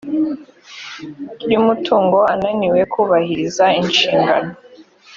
ry umutungo ananiwe kubahiriza inshingano